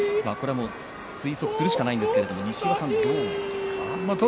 推測するしかないんですが西岩さんは、どう思いますか。